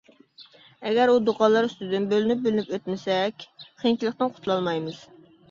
ئەگەر ئۇ دوقاللار ئۈستىدىن بۆلۈنۈپ-بۆلۈنۈپ ئۆتمىسەك، قىيىنچىلىقتىن قۇتۇلالمايمىز.